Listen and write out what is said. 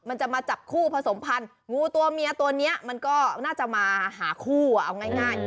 มันจะมาจับคู่ผสมพันธ์งูตัวเมียตัวนี้มันก็น่าจะมาหาคู่เอาง่าย